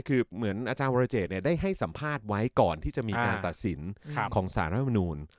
คือเหมือนอาจารย์วรเจตได้ให้สัมภาษณ์ไว้ก่อนที่จะมีการตัดสินของสารรัฐมนูล